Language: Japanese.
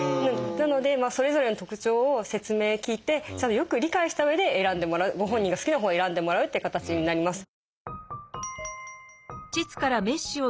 なのでそれぞれの特徴を説明を聞いてちゃんとよく理解したうえで選んでもらうご本人が好きなほうを選んでもらうという形になります。